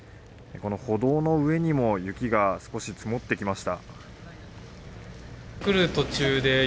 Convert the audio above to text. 歩道の上にも雪が少し積もってきました。